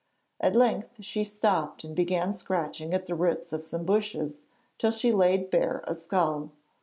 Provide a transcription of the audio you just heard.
At length she stopped and began scratching at the roots of some bushes till she laid bare a skull.